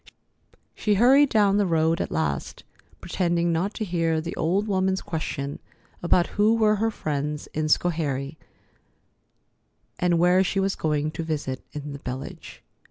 She hurried down the road at last, pretending not to hear the old woman's question about who were her friends in Schoharie, and where she was going to visit in the village.